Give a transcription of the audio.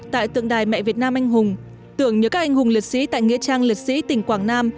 tại tượng đài mẹ việt nam anh hùng tưởng nhớ các anh hùng liệt sĩ tại nghĩa trang liệt sĩ tỉnh quảng nam